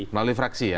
melalui fraksi ya